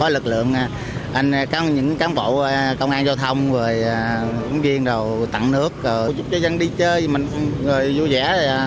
lực lượng các cán bộ công an giao thông công viên tặng nước chúc cho dân đi chơi vui vẻ